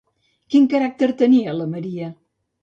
Quin caràcter tenia la Maria?